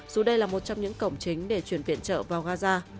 dù đây là một trong những cổng chính để chuyển viện trợ vào gaza